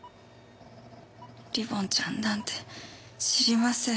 リボンちゃんなんて知りません。